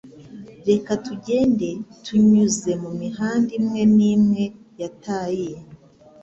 Reka tugende, tunyuze mumihanda imwe n'imwe yataye,